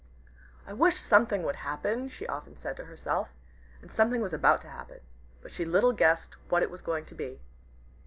"I wish something would happen," she often said to herself. And something was about to happen. But she little guessed what it was going to be.